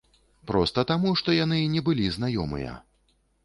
Проста таму, што яны не былі знаёмыя.